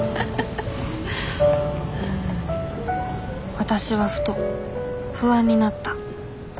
わたしはふと不安になった。